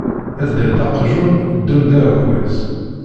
Dder-d aqjun, ddem-d aɛekkaz!